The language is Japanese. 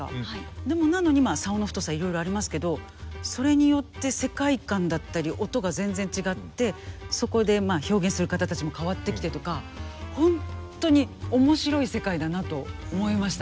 でもなのに棹の太さいろいろありますけどそれによって世界観だったり音が全然違ってそこで表現する方たちも変わってきてとかホントに面白い世界だなと思いました。